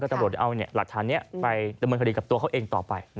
ตำรวจจะเอาหลักฐานนี้ไปดำเนินคดีกับตัวเขาเองต่อไป